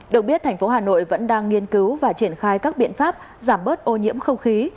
được biết thành phố hà nội vẫn đang nghiên cứu và triển khai các biện pháp giảm bớt ô nhiễm không khí